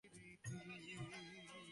ওহ, সে কোন আগন্তুক না।